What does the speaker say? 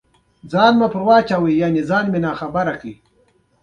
ساره په خپله ښکلا دومره اداګانې کوي، چې هېڅ حد نه لري.